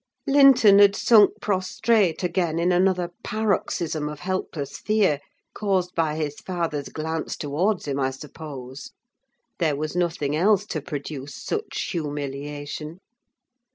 Linton had sunk prostrate again in another paroxysm of helpless fear, caused by his father's glance towards him, I suppose: there was nothing else to produce such humiliation.